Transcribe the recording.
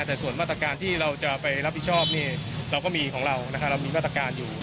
แต่ส่วนมาตรการที่พี่โฆษณ์จะรับผลกระทบสินเราก็มีมาตรการอยู่